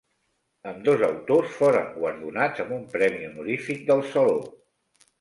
Ambdós autors foren guardonats amb un premi honorífic del Saló.